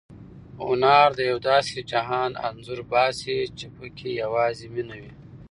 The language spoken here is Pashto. هنر د یو داسې جهان انځور باسي چې پکې یوازې مینه وي.